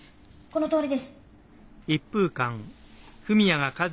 このとおりです。